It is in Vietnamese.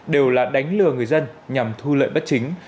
đều là đánh lừa người dân nhằm thu lợi bất chính